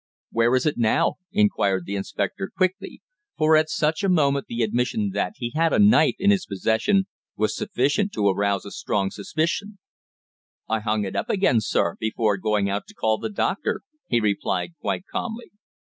"Where is it now?" inquired the inspector, quickly, for at such a moment the admission that he had had a knife in his possession was sufficient to arouse a strong suspicion. "I hung it up again, sir, before going out to call the doctor," he replied quite calmly.